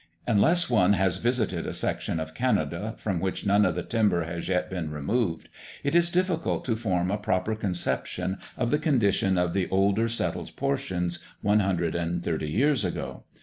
Unless one has visited a section of Canada from which none of the timber has yet been removed, it is difficult to form a proper conception of the condition of the older settled portions one hundred and thirty years ago.